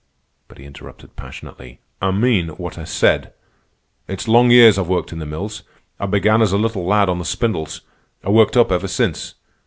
But he interrupted passionately. "I mean what I said. It's long years I've worked in the mills. I began as a little lad on the spindles. I worked up ever since.